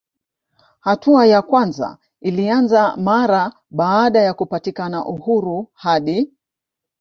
Hatua ya kwanza ilianza mara baada ya kupatikana uhuru hadi